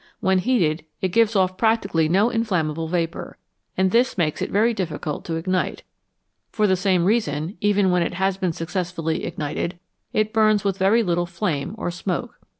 When heated, it gives off practically no inflammable vapour, and this makes it very difficult to ignite ; for the same reason, even when it has been successfully ignited, it burns with very little flame or smoke.